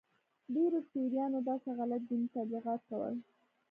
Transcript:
ډېرو پیرانو داسې غلط دیني تبلیغات کول.